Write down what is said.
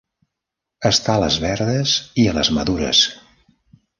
Estar a les verdes i a les madures.